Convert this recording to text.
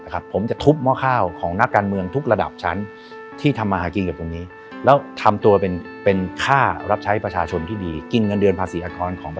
กินเงินเดือนภาษีอัครองค์ของประชาชนนะครับ